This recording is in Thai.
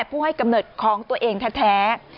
ผู้ให้กำเนิดของตัวเองแท้